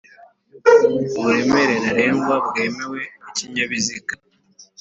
uburemere ntarengwa bwemewe bw'ikinyabiziga